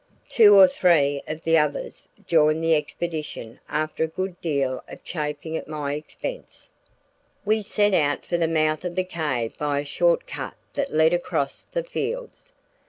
Two or three of the others joined the expedition after a good deal of chaffing at my expense. We set out for the mouth of the cave by a short cut that led across the fields.